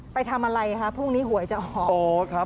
ไปทำอะไรคะพรุ่งนี้หวยจะออก